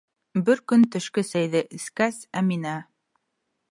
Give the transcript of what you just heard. Бер көн төшкө сәйҙе эскәс, Әминә: